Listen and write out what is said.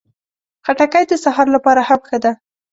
خټکی د سهار لپاره هم ښه ده.